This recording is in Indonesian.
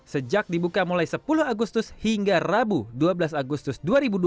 sejak dibuka mulai sepuluh agustus hingga rabu dua belas agustus dua ribu dua puluh